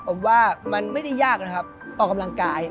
ผมว่ามันไม่ได้ยากนะครับออกกำลังกาย